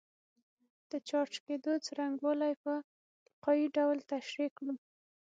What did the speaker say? د چارج کېدو څرنګوالی په القايي ډول تشریح کړو.